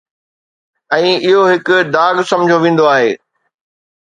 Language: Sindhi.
۽ اهو هڪ داغ سمجهيو ويندو آهي.